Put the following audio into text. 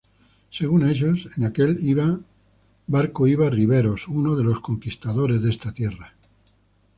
Según ellos, en aquel barco iba ""Riveros, uno de los conquistadores de esta tierra"".